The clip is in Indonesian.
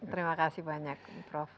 terima kasih banyak prof